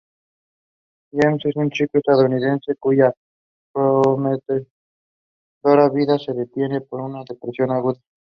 James es un chico estadounidense cuya prometedora vida se detiene por una depresión aguda.